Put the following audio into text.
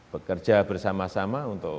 bekerja bersama sama untuk